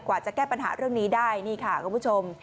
จะแก้ปัญหาเรื่องนี้ได้นี่ค่ะคุณผู้ชม